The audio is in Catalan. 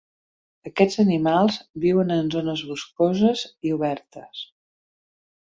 Aquests animals viuen en zones boscoses i obertes.